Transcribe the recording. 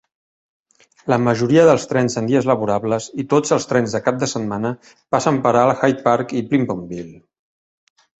La majoria dels trens en dies laborables, i tots els trens de cap de setmana, passen per alt Hyde Park i Plimptonville.